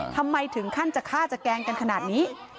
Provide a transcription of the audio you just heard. ถึงขั้นจะฆ่าจะแกล้งกันขนาดนี้